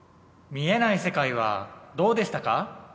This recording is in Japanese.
見えない世界はどうでしたか？